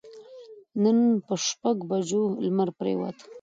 نن پر شپږ بجو لمر پرېوت.